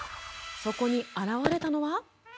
そこに現れたのは。